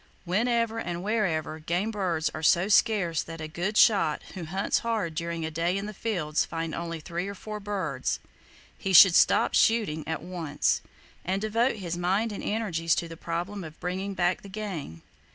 Whenever and wherever game birds are so scarce that a good shot who hunts hard during a day in the fields finds only three or four birds, he should stop shooting at once, and devote his mind and energies to the problem of bringing back the game!